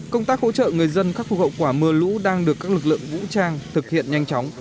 công tác hỗ trợ người dân khắc phục hậu quả mưa lũ đang được các lực lượng vũ trang thực hiện nhanh chóng